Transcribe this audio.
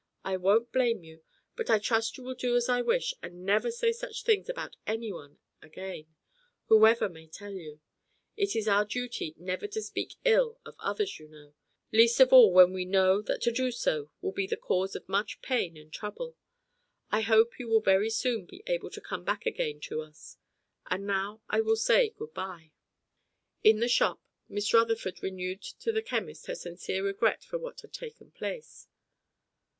"I won't blame you, but I trust you will do as I wish, and never say such things about any one again, whoever may tell you. It is our duty never to speak ill of others, you know; least of all when we know that to do so will be the cause of much pain and trouble. I hope you will very soon be able to come back again to us. And now I will say good bye." In the shop Miss Rutherford renewed to the chemist her sincere regret for what had taken place.